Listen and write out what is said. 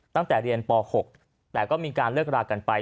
ตั้งแต่เรียนป๖แต่ก็มีการเลิกรากันไป